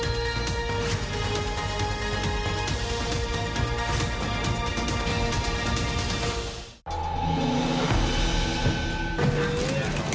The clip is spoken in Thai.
สวัสดีครับ